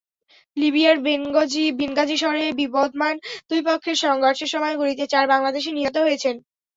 লিবিয়ার বেনগাজি শহরে বিবদমান দুই পক্ষের সংঘর্ষের সময় গুলিতে চার বাংলাদেশি নিহত হয়েছেন।